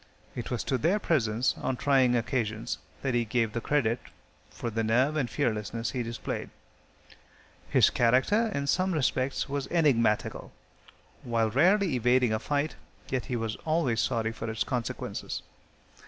It was to their presence on trying occasions that he gave the credit for the nerve and fearlessness he displayed. His character, in some respects, was enigmatical. While rarely evading a fight, yet he was always sorry for its consequences.